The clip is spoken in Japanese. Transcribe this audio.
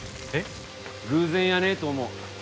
偶然やねえと思う。